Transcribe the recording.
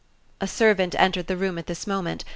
A servant entered the room at this moment.